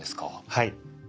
はい。